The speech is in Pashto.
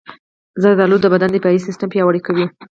زردالو د بدن دفاعي سیستم پیاوړی کوي.